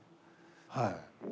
はい。